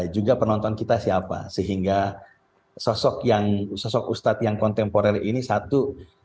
juga penonton kita siapa sehingga sosok yang sosok ustadz yang kontemporer ini satu